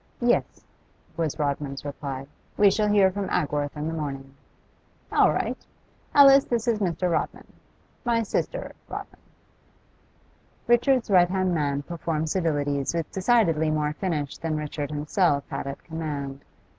'Yes,' was Rodman's reply. 'We shall hear from Agworth in the morning.' 'All right. Alice, this is Mr. Rodman. My sister, Rodman.' Richard's right hand man performed civilities with decidedly more finish than Richard himself had at command.